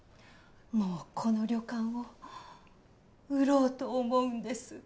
もうこの旅館を売ろうと思うんです。